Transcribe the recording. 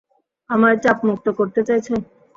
আমায় চাপমুক্ত করতে চাইছো?